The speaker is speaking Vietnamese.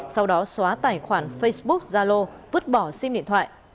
sau đó xóa tài khoản facebook gia lô vứt bỏ sim điện thoại